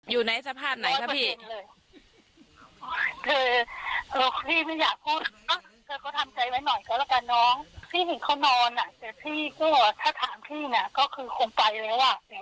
อยู่ในสภาพไหนคะพี่